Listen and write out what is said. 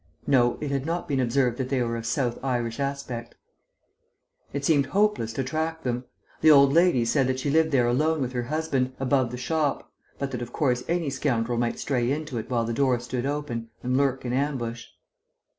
No, it had not been observed that they were of South Irish aspect. It seemed hopeless to track them. The old lady said that she lived there alone with her husband, above the shop; but that, of course, any scoundrel might stray into it while the door stood open, and lurk in ambush.